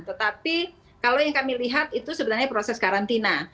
tetapi kalau yang kami lihat itu sebenarnya proses karantina